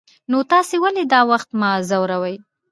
نو تاسې ولې دا وخت ما ځوروئ.